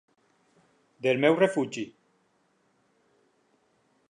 Del meu refugi.